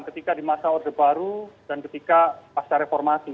ketika di masa orde baru dan ketika pasca reformasi